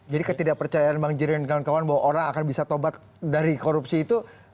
jadi ketidakpercayaan bang jirin dan kawan kawan bahwa orang akan bisa tobat dari korupsi itu